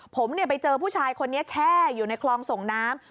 ผมไปเจอผู้ชายคนนี้แช่อยู่ในคลองส่งน้ำ